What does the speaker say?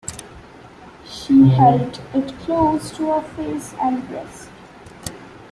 She held it close to her face and breast.